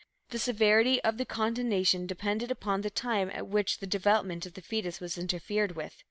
The severity of the condemnation depended upon the time at which the development of the foetus was interfered with.